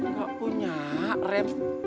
gak punya rem